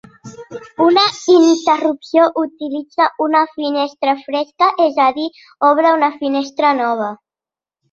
Una interrupció utilitza una finestra fresca, és a dir, obre una finestra nova.